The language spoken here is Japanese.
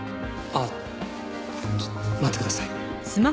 あっちょ待ってください。